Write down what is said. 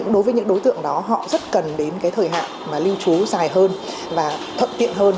đối với những đối tượng đó họ rất cần đến cái thời hạn mà lưu trú dài hơn và thuận tiện hơn